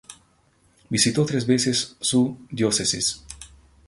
Visitó tres veces su diócesis.